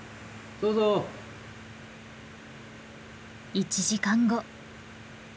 １時間後。